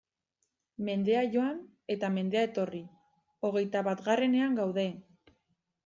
Mendea joan eta mendea etorri, hogeita batgarrenean gaude!